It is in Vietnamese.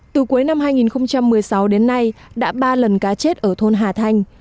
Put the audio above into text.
từ cuối năm hai nghìn một mươi sáu đến nay đã ba lần cá chết ở thôn hà thanh